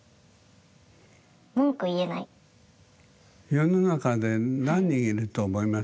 世の中で何人いると思います？